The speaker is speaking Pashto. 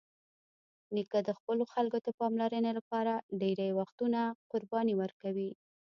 نیکه د خپلو خلکو د پاملرنې لپاره ډېری وختونه قرباني ورکوي.